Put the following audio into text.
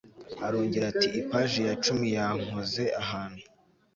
arongera ati ipage ya cumiyankoze ahantu